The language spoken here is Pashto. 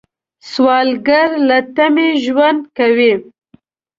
سوالګر له تمې ژوند کوي